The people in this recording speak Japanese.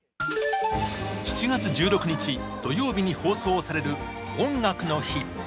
７月１６日土曜日に放送される「音楽の日」。